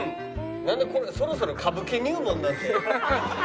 なんでこんな『そろそろ、歌舞伎入門。』なんて。